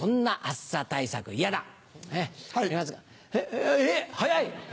えっ早い！